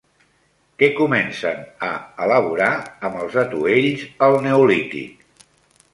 Què comencen a elaborar amb els atuells al neolític?